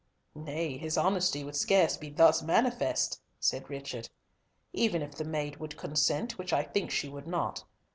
"Nay, his honesty would scarce be thus manifest," said Richard, "even if the maid would consent, which I think she would not.